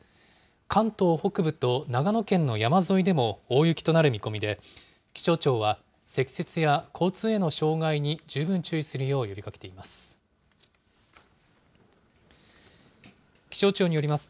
関東北部と長野県の山沿いでも大雪となる見込みで、気象庁は積雪や交通への障害に十分注意するよう呼びかけています。